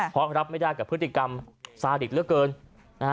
เพราะรับไม่ได้กับพฤติกรรมซาดิตเหลือเกินนะฮะ